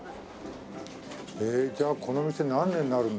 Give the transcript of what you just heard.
ええじゃあこの店何年になるんだ？